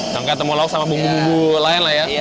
cangkai temulauk sama bumbu bumbu lain lah ya